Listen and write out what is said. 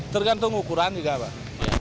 tergantung ukuran juga pak